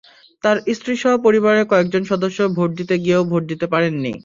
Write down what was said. তাঁর স্ত্রীসহ পরিবারের কয়েকজন সদস্য ভোট দিতে গিয়েও ভোট দিতে পারেননি।